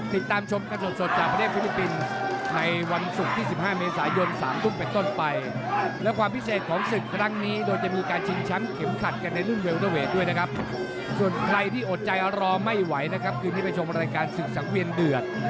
ติดตามชมกันสดจากประเทศฟิลิปปินส์